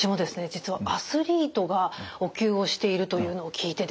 実はアスリートがお灸をしているというのを聞いてですね